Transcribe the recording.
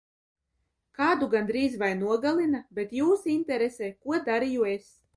Kādu gandrīz vai nogalina, bet jūs interesē ko darīju es?